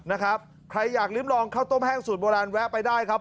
นะครับใครอยากลิ้มลองข้าวต้มแห้งสูตรโบราณแวะไปได้ครับ